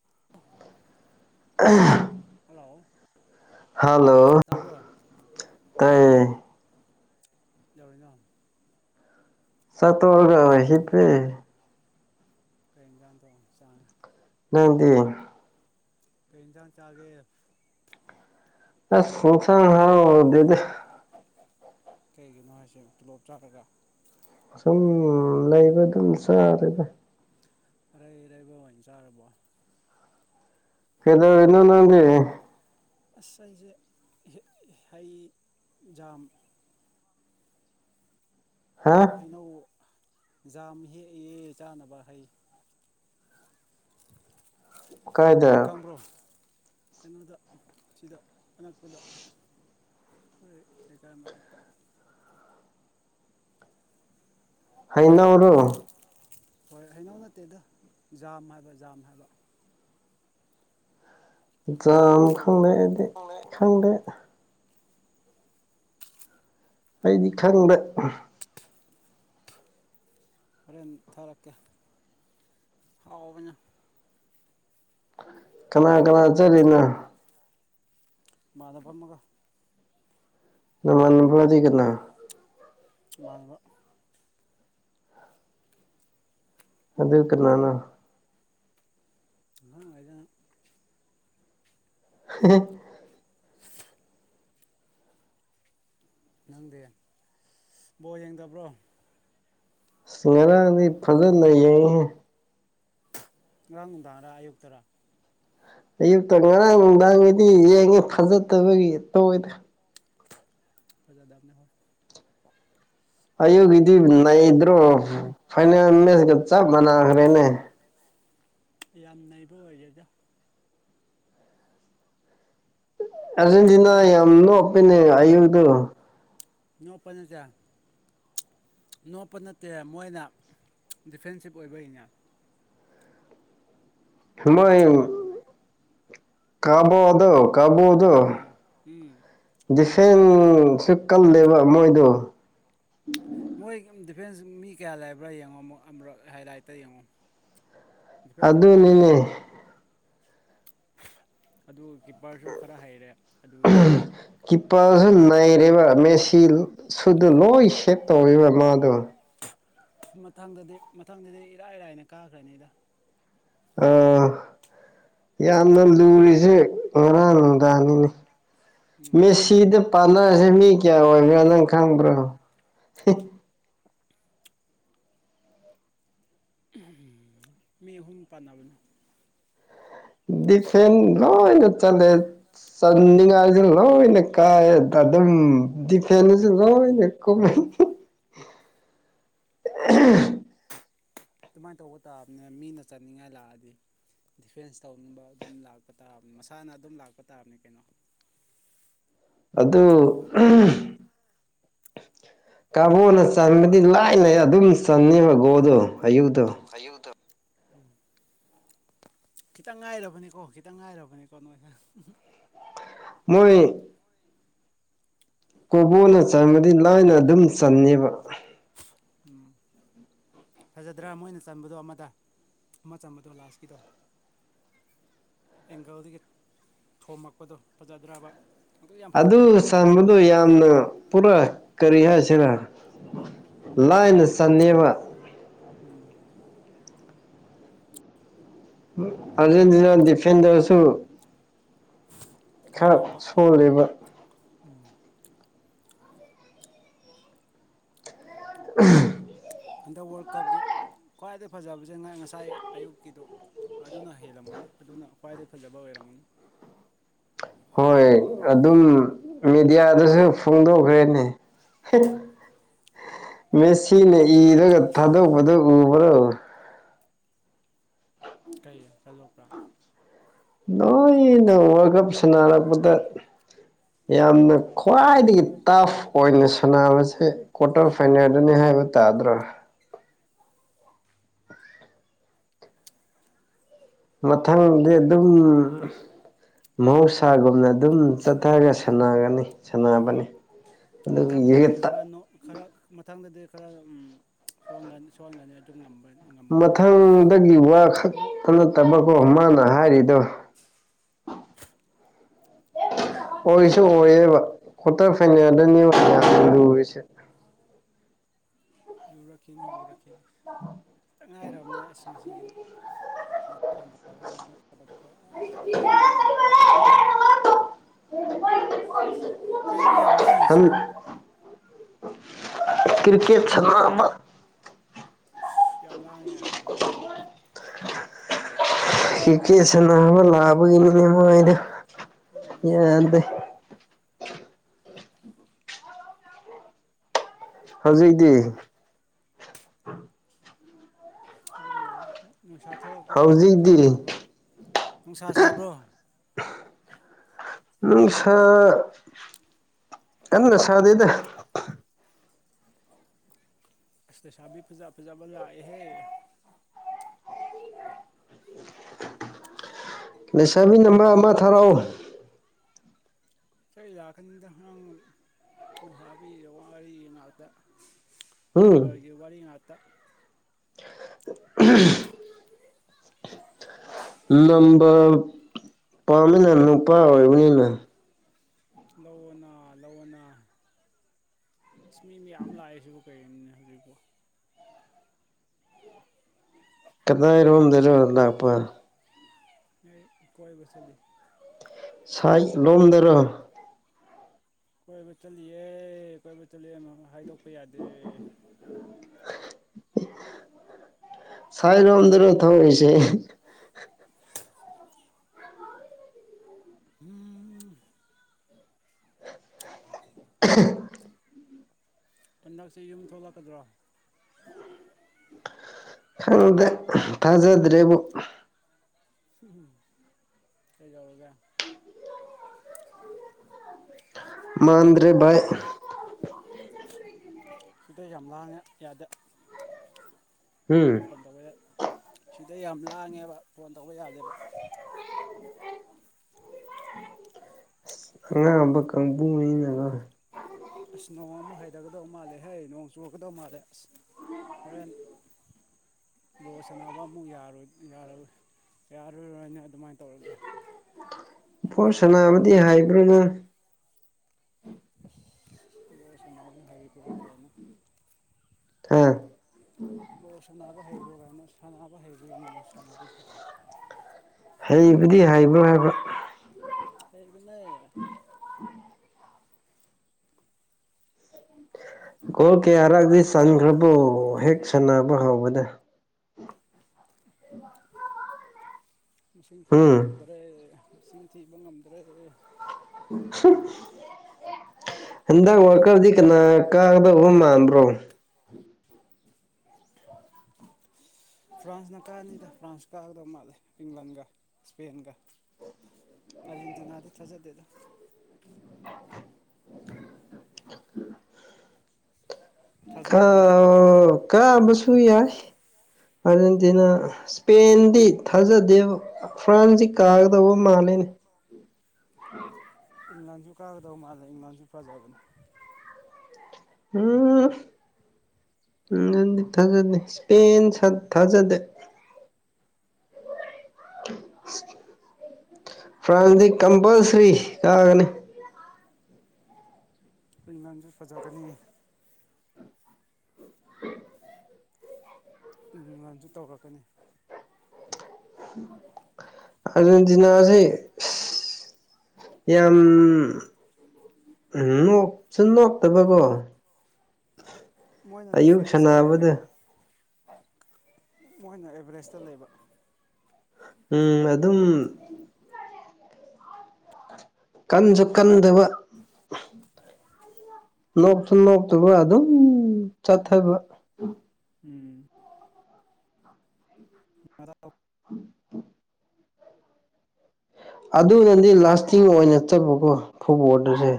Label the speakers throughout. Speaker 1: ꯑ [inaudible]
Speaker 2: ꯍꯜꯂꯣ ꯇꯥꯔꯕ꯭ꯔꯣ ꯎꯝ
Speaker 1: ꯇꯥꯏꯌꯦ
Speaker 2: ꯀꯩꯗꯧꯔꯤꯅꯤ
Speaker 1: ꯆꯥꯛ ꯇꯣꯛꯑꯒꯥ ꯍꯤꯞꯄꯤ
Speaker 2: ꯀꯩ ꯌꯦꯡꯁꯥꯟ ꯇꯧꯔꯒꯥ ꯆꯔꯥꯒꯦ
Speaker 1: ꯅꯪꯗꯤ
Speaker 2: ꯌꯦꯡꯖꯥꯟ ꯆꯥꯒꯦ
Speaker 1: ꯑꯁ ꯐꯁꯥꯡ ꯍꯗ [inaudible]
Speaker 2: ꯀꯩꯒꯤꯅꯣ ꯍꯥꯏꯁꯦ ꯇꯣꯂꯣꯞ ꯆꯥꯔꯒ
Speaker 1: ꯁꯨꯝ ꯂꯩꯕ ꯑꯗꯨꯝ ꯆꯥꯔꯦꯕ
Speaker 2: ꯑꯔꯩꯔ ꯂꯩꯕꯅ ꯆꯥꯔꯕꯣ [inaudible]
Speaker 1: ꯀꯩꯗꯧꯔꯤꯅꯣ ꯅꯪꯗꯤ
Speaker 2: ꯑꯁ ꯑꯩꯁꯦ ꯍꯩ ꯖꯥꯝ
Speaker 1: ꯍꯥ
Speaker 2: ꯍꯩꯅꯧ ꯖꯥꯝ ꯍꯦꯛꯢꯍꯦ ꯆꯥꯅꯕ
Speaker 1: ꯀꯥꯏꯗ
Speaker 2: ꯈꯪꯕ꯭ꯔꯣ ꯀꯩꯅꯣꯗ ꯁꯤꯗ ꯑꯅꯛꯄꯗ ꯑꯩꯈꯣꯏꯀ ꯑꯃꯇ
Speaker 1: ꯍꯩꯅꯧꯔꯣ
Speaker 2: ꯍꯣꯏ ꯍꯩꯅꯧ ꯅꯠꯇꯦꯗ ꯖꯥꯝ ꯍꯥꯏꯕ ꯖꯥꯝ ꯍꯥꯏꯕ ꯖꯥꯝ
Speaker 1: ꯌꯥꯝꯝ
Speaker 2: ꯈꯪꯗꯕ꯭ꯔꯣ
Speaker 1: ꯈꯪꯗꯦꯗꯤ ꯈꯪꯗꯦ ꯑꯩꯗꯤ ꯈꯪꯗ
Speaker 2: ꯐꯔꯦꯟ ꯊꯔꯔꯀꯦ ꯍꯑꯣ ꯏꯥ
Speaker 1: ꯀꯅꯥ ꯀꯅꯥ ꯆꯂꯤꯅꯣ
Speaker 2: ꯃꯥꯗ ꯐꯃꯒ
Speaker 1: ꯅ ꯃꯅꯕꯗꯤ ꯀꯅꯥ
Speaker 2: ꯃꯥꯡꯗ [inaudible]
Speaker 1: ꯑꯗꯨ ꯀꯅꯥꯅꯣ
Speaker 2: ꯉꯅꯨꯡꯉꯥꯏꯖꯩꯅ [inaudible]
Speaker 1: ꯍꯤ ꯍꯤ ꯍꯤ
Speaker 2: ꯅꯪꯗꯤ ꯕꯣꯜ ꯌꯦꯡꯗꯕ꯭ꯔꯣ
Speaker 1: ꯉꯔꯥꯡꯗꯤ ꯐꯖꯅ ꯅꯩꯌꯦ
Speaker 2: ꯉꯔꯥꯡ ꯅꯨꯡꯗꯥꯡꯔꯥ ꯑꯌꯨꯛꯇꯔꯥ
Speaker 1: ꯑꯌꯨꯛꯇ ꯉꯔꯥꯡ ꯅꯨꯡꯗꯥꯡꯒꯤꯗꯤ ꯌꯦꯡꯉꯦ ꯐꯖꯠꯇꯕꯒꯤ ꯇꯣꯛ ꯌꯦ
Speaker 2: ꯐꯖꯥꯗꯝꯅꯦ ꯍꯣꯢ
Speaker 1: ꯑꯌꯨꯛꯒꯤꯗꯤ ꯅꯩꯗ꯭ꯔꯣ ꯐꯥꯏꯅꯦꯜ ꯃꯦꯆꯀ ꯆꯞ ꯃꯥꯟꯅꯈ꯭ꯔꯦꯅꯦ
Speaker 2: ꯌꯥꯝ ꯅꯩꯕ ꯑꯣꯏꯒꯦꯗ
Speaker 1: ꯑꯔꯖꯦꯟꯇꯅꯥ
Speaker 2: ꯃꯣꯏ ꯍꯥꯏ
Speaker 1: ꯌꯥꯝꯅꯣ ꯑꯣꯄꯅꯦ ꯑꯌꯨꯗ
Speaker 2: ꯅꯨ ꯄꯅꯦ ꯆꯥꯡ ꯅꯣꯞꯄ ꯅꯠꯇꯦ ꯃꯣꯏꯅ ꯗꯤꯐꯦꯟꯁꯤꯞ ꯑꯣꯏꯕꯩꯅꯦ
Speaker 1: ꯃꯣꯏ ꯀꯥꯕꯣꯗꯣ ꯀꯥꯕꯣꯗꯣ
Speaker 2: ꯎꯝ ꯎꯝ
Speaker 1: ꯗꯤꯐꯦꯟꯁꯨ ꯀꯜꯂꯦꯕ ꯃꯣꯏꯗꯣ
Speaker 2: ꯃꯣꯏ ꯗꯤꯐꯦꯟꯁ ꯃꯤ ꯀꯌꯥ ꯂꯩꯕ꯭ꯔꯥ ꯌꯦꯡꯉꯣ ꯑꯃ ꯍꯥꯏꯂꯥꯏꯠꯇ ꯌꯦꯡꯉꯣ ꯏꯄꯣꯏ ꯆꯠꯂ
Speaker 1: ꯑꯗꯨꯅꯤꯅꯦ
Speaker 2: ꯂꯩꯃꯤꯅꯦ ꯑꯗꯨꯒ ꯀꯤꯞꯄꯔꯁꯨ ꯈꯔ ꯍꯩꯔꯦ ꯑꯗꯨꯒꯤꯅꯦ
Speaker 1: ꯀꯤꯞꯄꯔꯁꯨ ꯅꯩꯔꯦꯕ ꯃꯦꯁꯤ ꯁꯨꯗ ꯂꯣꯏ ꯁꯦꯞ ꯇꯧꯋꯦꯕ ꯃꯥꯗꯣ
Speaker 2: ꯃꯊꯪꯗꯗꯤ ꯃꯊꯪꯗꯗꯤ ꯏꯔꯥꯏꯔꯥꯏꯅ ꯀꯥꯈ꯭ꯔꯅꯤꯗ
Speaker 1: ꯑꯥ ꯌꯥꯝꯅ
Speaker 2: ꯀꯔꯤꯝ ꯈꯜꯂꯨꯅꯨ
Speaker 1: ꯂꯨꯔꯤꯁꯦ ꯉꯔꯥꯡ ꯅꯨꯡꯗꯥꯡꯅꯤꯅꯦ
Speaker 2: ꯎꯝ
Speaker 1: ꯃꯦꯁꯤꯗ ꯄꯥꯟꯅꯔꯁꯦ ꯃꯤ ꯀꯌꯥ ꯑꯣꯏꯕ꯭ꯔꯥ ꯅꯪ ꯈꯪꯕ꯭ꯔꯣ
Speaker 2: ꯎ ꯃꯤꯍꯨꯝ ꯄꯥꯟꯕꯅ
Speaker 1: ꯗꯤꯐꯦꯟ ꯂꯣꯏꯅ ꯆꯂꯦ ꯆꯟꯅꯤꯡꯉꯥꯏꯁꯦ ꯂꯣꯏꯅ ꯀꯥꯏꯑ ꯑꯗꯨꯝ ꯗꯤꯐꯦꯟꯁꯨꯣꯏꯅꯦ ꯀꯃ
Speaker 2: [inaudible] [unintelligible] ꯑꯗꯨꯃꯥꯏꯅ ꯇꯧꯕ ꯇꯥꯕꯅꯦ ꯃꯤꯅ ꯆꯠꯅꯤꯡꯉꯥꯏ ꯂꯥꯛꯑꯗꯤ ꯗꯤꯐꯦꯟꯁ ꯇꯧꯅꯤꯡꯕ ꯑꯗꯨꯝ ꯂꯥꯛꯄ ꯇꯥꯕꯅꯤ ꯃꯁꯥꯅ ꯑꯗꯨꯝ ꯂꯥꯛꯄ ꯇꯥꯕꯅꯤ ꯀꯩꯅꯣ
Speaker 1: ꯑꯗꯨ ꯀꯥꯕꯣꯅ ꯆꯟꯕꯗꯤ ꯂꯥꯏ ꯂ ꯑꯗꯨꯝ ꯆꯟꯅꯉꯕ ꯒꯣꯗꯣ ꯑꯌꯨꯗ
Speaker 2: ꯎꯝ ꯈꯤꯇꯪ ꯉꯥꯏꯔꯕꯅꯤꯀꯣ ꯈꯤꯇꯪ ꯉꯥꯏꯔꯕꯅꯤꯀꯣ ꯅꯣꯏꯁꯦ
Speaker 1: ꯃꯣꯏ ꯀꯣꯕꯣꯅ ꯆꯟꯕꯗꯤ ꯂꯥꯏꯅ ꯑꯗꯨꯝ ꯆꯉꯕ
Speaker 2: ꯎꯝ ꯐꯖꯗ꯭ꯔꯥ ꯃꯣꯏꯅ ꯆꯝꯕꯗꯣ ꯑꯃꯗ ꯑꯃ ꯆꯝꯕꯗꯣ ꯂꯥꯁꯀꯤꯗꯣ ꯑꯦꯡꯒꯜꯗꯒꯤ ꯊꯣꯝꯃꯛꯄꯗꯣ ꯐꯖꯗ꯭ꯔꯕ ꯌꯥꯝ
Speaker 1: ꯑꯗꯨ
Speaker 2: ꯐꯖꯩ
Speaker 1: ꯁꯝꯕꯗꯨ ꯌꯥꯝꯅ ꯄꯨꯔꯥ ꯀꯔꯤ ꯍꯥꯏꯁꯤꯔ ꯂꯥꯏꯅ ꯆꯟꯅꯕ
Speaker 2: ꯎꯝ
Speaker 1: ꯑꯔꯖꯦꯟꯇꯤꯅꯥ ꯗꯤꯐꯦꯟꯗꯁꯨꯁꯨ ꯈꯔ ꯁꯣꯜꯂꯦꯕ
Speaker 2: ꯎꯝ
Speaker 1: ꯎꯍꯝꯝ
Speaker 2: ꯍꯟꯗꯛ ꯋꯥꯔꯜ ꯀꯞꯀꯤ ꯈ꯭ꯋꯥꯏꯗꯩ ꯐꯖꯕꯁꯦ ꯉꯥꯏ ꯉꯁꯥꯏ ꯑꯌꯨꯛꯀꯤꯗꯨꯣ ꯑꯗꯨꯅ ꯍꯦꯜꯂꯝꯒꯅꯤ ꯑꯗꯨꯅ ꯈ꯭ꯋꯥꯏꯗꯒꯤꯩ ꯐꯖꯕ ꯑꯣꯏꯔꯝꯒꯅꯤ
Speaker 1: ꯍꯣꯏ ꯑꯗꯨꯝ ꯃꯦꯗꯤꯌꯥꯗꯁꯨ ꯐꯣꯡꯗꯣꯛꯈ꯭ꯔꯦꯅꯦ ꯐꯔ ꯃꯦꯁꯤꯅ ꯏꯔꯒ ꯊꯥꯗꯣꯛꯄꯗ ꯎꯕ꯭ꯔꯣ
Speaker 2: ꯀꯩ ꯆꯠꯂꯣꯛꯄ꯭ꯔꯥ
Speaker 1: ꯅꯣꯏꯩꯅ ꯋꯥꯔꯜ ꯀꯞ ꯁꯅꯔꯛꯄꯗ ꯌꯥꯝꯅ ꯈ꯭ꯋꯥꯏꯗꯒꯤ ꯇꯐ ꯑꯣꯏꯅ ꯁꯥꯟꯅꯕꯁꯦ ꯀ꯭ꯋꯥꯇꯔ ꯐꯥꯏꯅꯦꯜꯗꯅꯤ ꯍꯥꯏ ꯕ ꯇꯗ꯭ꯔꯣ ꯃꯊꯪꯗꯤ ꯑꯗꯨꯝ ꯃꯍꯧꯁꯥ ꯏꯁꯥꯒꯨꯝꯅ ꯑꯗꯨꯝ ꯆꯠꯊꯔꯒ ꯁꯥꯟꯅꯒꯅꯤ ꯁꯥꯟꯅꯕꯅꯤ
Speaker 2: ꯃꯊꯪꯗꯗꯤ
Speaker 1: ꯑꯗꯨꯒꯤ
Speaker 2: ꯈꯔ ꯈꯔ ꯃꯊꯪꯗꯗꯤ ꯈꯔ ꯁꯍꯟꯅꯤ ꯁꯣꯛꯍꯣꯟꯒꯅꯤ ꯑꯗꯨꯝ ꯉꯝꯕꯅꯤ
Speaker 1: ꯃꯊꯪꯗꯒꯤ ꯋꯥ
Speaker 2: ꯑꯃꯨꯛ
Speaker 1: ꯈꯛꯇ ꯅꯠꯇꯕꯀꯣ ꯃꯥꯅ ꯍꯥꯏꯔꯤꯗꯣ ꯑꯣꯏꯁꯨ ꯑꯣꯏꯌꯦꯦꯕ ꯈꯠꯇ ꯐꯅꯗꯅꯦꯕ ꯂꯨꯔꯤꯁꯦ
Speaker 2: [unintelligible] ꯂꯨꯔꯛꯈꯤꯅꯤ ꯂꯨꯔꯛꯈꯤꯅꯤ ꯈꯤꯇ ꯉꯥꯏꯔꯕꯅꯦ ꯑꯁ ꯉꯁꯤꯒꯤꯗꯤ ꯗꯤ ꯁꯤꯂꯣ ꯁꯤꯂꯕ ꯀꯩꯅꯣ ꯌꯥꯝ ꯂꯥꯡꯉꯤꯁꯤꯕꯣ
Speaker 1: ꯀꯔꯤꯀꯦꯠ ꯆꯅ ꯑꯃ
Speaker 2: ꯌꯥꯝ ꯂꯥꯡꯉꯦ
Speaker 1: ꯍ ꯀꯁꯦ ꯅꯍꯕ ꯂꯥꯕ ꯀꯅꯤꯅꯦ ꯃꯗ
Speaker 2: ꯎ ꯁꯤ ꯌꯥꯗꯦꯗ
Speaker 1: ꯍꯧꯖꯤꯛꯇꯛꯇꯤ
Speaker 2: ꯑꯗꯨꯝ ꯌꯥ ꯅꯨꯡꯁꯥ ꯊꯣꯛꯂꯛꯄ꯭ꯔꯣ ꯅꯨꯡꯁꯥ
Speaker 1: ꯍꯧꯖꯤꯛꯇꯤ
Speaker 2: ꯁꯥꯕ꯭ꯔꯣ ꯅꯨꯡꯁꯥ ꯁꯥꯕ꯭ꯔꯣ
Speaker 1: ꯅꯨꯡ ꯁꯥ ꯌꯥꯝꯅ ꯁꯥꯗꯦꯗ
Speaker 2: ꯑꯁꯕꯤ ꯄꯖꯥ ꯄꯖꯥꯕꯑꯍꯦ
Speaker 1: ꯂꯩꯁꯥꯕꯤ ꯅꯝꯕꯔ ꯑꯃ ꯊꯥꯔꯛꯑꯣ
Speaker 2: ꯏꯁꯩ ꯂꯥꯛꯀꯥꯟꯗ ꯅꯪ ꯑꯩ ꯍꯥꯕꯤ ꯋꯥꯔꯤꯅꯥꯛꯇ
Speaker 1: ꯎꯝ
Speaker 2: ꯅꯝꯕꯔꯒꯤ ꯋꯥꯔꯤ ꯉꯥꯛꯇ
Speaker 1: ꯂꯪꯝꯕꯔ ꯄꯃꯤꯅ ꯅꯨꯄꯥ ꯑꯣꯏ ꯎꯅꯤꯅ
Speaker 2: ꯂꯧꯅ ꯂꯧꯅ ꯏꯁꯃꯤ ꯌꯥꯝ ꯂꯥꯛꯑꯦꯁꯨ ꯀꯔꯤꯅꯤꯅꯤ ꯍꯧꯖꯤꯔꯤꯕ
Speaker 1: ꯀꯗꯥꯥꯏꯔꯣꯝꯗꯔ ꯂꯄꯥ
Speaker 2: ꯀꯣꯏ ꯁꯂꯤ
Speaker 1: ꯁꯥꯏ ꯂꯝ ꯗꯔꯥ
Speaker 2: ꯀꯣꯏꯕ ꯆꯠꯂꯤꯑꯦ ꯀꯣꯏꯕ ꯆꯠꯂꯤꯦ ꯍꯥꯏꯗꯣꯛꯄ ꯌꯥꯗꯦ [unintelligible]
Speaker 1: ꯁꯥꯏ ꯔ ꯑꯗꯔꯣ ꯊꯑꯣꯣꯏꯁ
Speaker 2: ꯎꯝ
Speaker 1: [unintelligible]
Speaker 2: ꯍꯟꯗꯛꯁꯤꯦ ꯌꯨꯝ ꯊꯣꯛꯂꯛꯀꯗ꯭ꯔꯥꯣ
Speaker 1: ꯈꯪꯗ ꯊꯥꯖꯗ꯭ꯔꯦꯕꯨ
Speaker 2: ꯎꯝ ꯀꯖꯕꯒ
Speaker 1: ꯃꯥꯟꯗ꯭ꯔꯦꯚꯥꯏ
Speaker 2: ꯁꯤꯗ ꯌꯥꯝ ꯂꯥꯡꯉꯦ ꯌꯥꯗꯦ
Speaker 1: ꯎꯝ
Speaker 2: ꯐꯣꯟ ꯇꯧꯕ ꯌꯥꯏ ꯁꯤꯗ ꯌꯥꯝ ꯂꯥꯡꯉꯦꯕ ꯐꯣꯟ ꯇꯧꯕ ꯌꯥꯗꯦꯕ
Speaker 1: ꯑꯉꯥꯡꯕ ꯀꯥꯡꯕꯨꯅꯤꯩꯅꯒ
Speaker 2: ꯑꯁ ꯅꯣꯡ ꯑꯃꯨꯛ ꯍꯩꯊꯒꯗꯧ ꯃꯥꯜꯂꯦ ꯍꯌꯦ ꯅꯣꯡ ꯆꯨꯒꯗꯧ ꯃꯥꯜꯂꯦ ꯑꯁ ꯍꯣꯔꯦꯟ ꯕꯣ ꯁꯅꯥꯅꯕ ꯑꯃꯨꯛ ꯌꯥꯔꯔꯣꯏꯅ ꯑꯗꯨꯃꯥꯏꯅ ꯇꯧꯔꯒꯦ [unintelligible]
Speaker 1: ꯄꯣ ꯁꯅꯥꯕꯨꯗꯤ ꯍꯥꯏꯕ꯭ꯔꯥꯅ
Speaker 2: ꯣꯔ ꯁꯅꯥꯒꯤ ꯍꯥꯏꯔꯔꯤ ꯄꯔꯛ ꯀꯥꯏꯟꯅ
Speaker 1: ꯍꯥ
Speaker 2: ꯕ ꯁꯅꯥꯅꯕ ꯍꯩꯕ꯭ꯔꯣ ꯀꯅ ꯁꯥꯟꯅꯕ ꯍꯩꯕ꯭ꯔ ꯏ ꯁꯅꯔꯤꯁꯦ
Speaker 1: ꯍꯩꯕꯨꯗꯤ ꯍꯩꯕ꯭ꯔ ꯍꯥꯏꯕ
Speaker 2: ꯍꯕ ꯂꯩ
Speaker 1: ꯒꯣ ꯀꯌꯥꯔꯛꯗꯤ ꯆꯟꯈ꯭ꯔꯕꯣ ꯍꯦꯛ ꯁꯥꯟꯅꯕ ꯍꯧꯕꯗ
Speaker 2: ꯃꯁꯤꯡ ꯊꯤꯕ
Speaker 1: ꯎꯝ
Speaker 2: ꯉꯝꯗ꯭ꯔꯦ ꯃꯁꯤꯡ ꯊꯤꯕ ꯉꯝꯗ꯭ꯔꯦ
Speaker 1: ꯍꯟꯗꯛ ꯋꯥꯀꯔꯗꯤ ꯀꯅꯥ ꯀꯥꯡꯗꯕ ꯃꯥꯟꯥꯟꯕ꯭ꯔꯣ
Speaker 2: ꯐ꯭ꯔꯥꯟꯁꯅ ꯀꯛꯑꯅꯤꯗ ꯐ꯭ꯔꯥꯟꯁ ꯀꯥꯒꯗꯧ ꯃꯥꯜꯂꯦ ꯏꯪꯂꯟꯒ ꯏꯁꯄꯦꯟꯒ ꯑꯥꯖꯦꯟꯗꯤꯤꯅꯥꯗꯤ ꯊꯖꯠꯇꯗ ꯐꯖꯕ꯭ꯔꯅꯦ ꯅꯪ
Speaker 1: ꯀꯥꯎ ꯀꯝꯕꯁꯨ ꯌꯥꯔ ꯑꯥꯔꯖꯦꯟꯇꯤꯅꯥ ꯏꯁꯄꯦꯟꯗꯤ ꯊꯥꯖꯗꯦꯕ ꯐ꯭ꯔꯥꯟꯁꯁꯤ ꯀꯥꯒꯗꯧꯕ ꯃꯥꯜꯂꯦꯅꯦ
Speaker 2: ꯏ ꯂꯥꯟꯁꯨ ꯀꯥꯒꯗꯧꯕ ꯃꯥꯜꯂꯦ ꯏꯪꯂ ꯂꯥꯟꯁꯨ ꯐꯖꯕꯅꯦ
Speaker 1: ꯎꯝ ꯗꯤ ꯊꯥꯖꯗꯦ ꯏꯁꯄꯦꯟ ꯊꯥꯖꯗꯦ ꯐ꯭ꯔꯥꯟꯁ ꯀꯝꯄꯜꯁꯔꯤ ꯀꯥꯒꯅꯤ
Speaker 2: ꯑꯩꯃꯌꯥꯝꯁꯨ ꯐꯖꯒꯅꯤ ꯎꯝ ꯉꯥꯟꯁꯨ ꯇꯧꯔꯛꯀꯅꯤ
Speaker 1: ꯑꯔꯖꯦꯟꯇꯤꯅꯥ ꯑꯁꯤꯁꯤ ꯌꯦ ꯎꯝ ꯅꯣꯁꯤ ꯅꯣꯛꯇꯕ ꯀꯣ
Speaker 2: ꯃꯣꯏꯅ ꯗꯤꯐꯦꯟꯁ ꯑꯦ
Speaker 1: ꯁꯥꯟꯅꯕꯗ
Speaker 2: ꯀꯩꯅꯣ ꯃꯣꯏꯅ ꯑꯦꯚꯔꯦꯁꯇ ꯂꯩꯕ
Speaker 1: ꯎꯝ ꯑꯗꯨꯝ
Speaker 2: ꯑꯗꯨꯒ
Speaker 1: ꯀꯟꯁꯨ ꯀꯟꯗꯕ ꯅꯣꯛꯁꯨ ꯅꯣꯛꯇꯕ ꯑꯗꯨꯝ ꯆꯠꯊꯕ
Speaker 2: ꯎꯝ ꯃ
Speaker 1: ꯑꯗꯨꯅꯗꯤ ꯂꯥꯁꯇꯤꯡ ꯑꯣꯏꯅ ꯆꯠꯄꯀꯣ ꯐꯨꯠꯕꯣꯗꯨꯁꯦ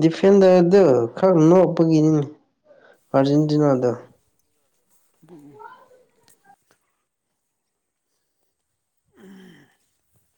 Speaker 1: ꯗꯤꯐꯦꯟꯗꯔꯗ ꯈꯔ ꯅꯣꯞꯄꯒꯤꯅꯤ ꯑꯔꯖꯦꯟꯇꯤꯅꯥꯗ
Speaker 2: ꯎꯝ